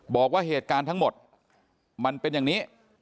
บอกว่าเหตุการณ์ทั้งหมดมันเป็นอย่างนี้